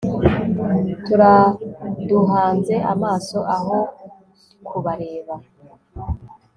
Turaduhanze amaso aho kubareba